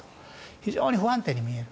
非常に不安定に見える。